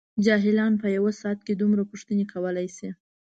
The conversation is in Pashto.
جاهلان په یوه ساعت کې دومره پوښتنې کولای شي.